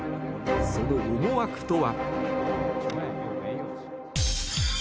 その思惑とは？